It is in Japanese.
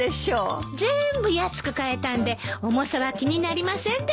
全部安く買えたんで重さは気になりませんでしたわ。